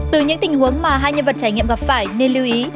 từ những tình huống mà hai nhân vật trải nghiệm gặp phải nên lưu ý